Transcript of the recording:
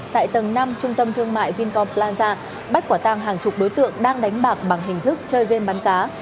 tại tầng năm trung tâm thương mại vincom plaza bắt quả tang hàng chục đối tượng đang đánh bạc bằng hình thức chơi game bắn cá